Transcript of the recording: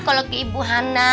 kalau ke ibu hana